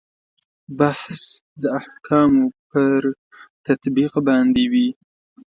بحث د احکامو پر تطبیق باندې وي.